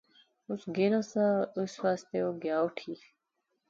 اس گینا ساہ، اس واسطے او گیا اٹھی